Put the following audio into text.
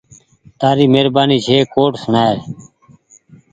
تآري مهربآني ڇي ڪوڊ سوڻآئي۔